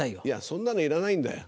そんなのいらないんだよ。